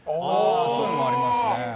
そういうのもありますね。